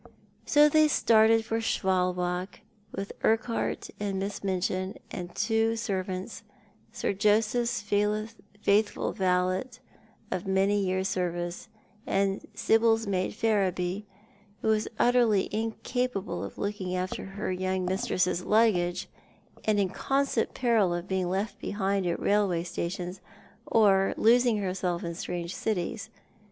So they started for Schwalbach with Urquhart and Miss Minchin, and two servants, Sir Joseph's faithful valet of many years' service, and Sibyl's maid Ferriby, who was utterly incapable of looking; after her young mistresses' luggage, and in constant peril of being left behind at railway stations, or losing herself in strange cities.